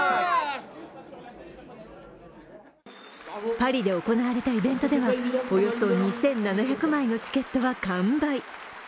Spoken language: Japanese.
パリで行われたイベントでは、およそ２７００枚のチケットは完売。